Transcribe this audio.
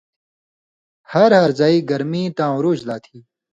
ہر ہر زائ گرمی تاں عرُوج لا تھی۔